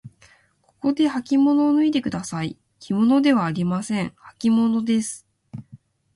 ここではきものを脱いでください。きものではありません。はきものです。